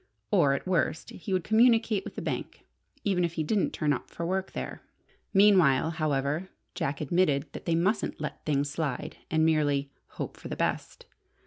Or, at worst, he would communicate with the bank, even if he didn't turn up for work there. Meanwhile, however, Jack admitted that they mustn't let things slide and merely "hope for the best."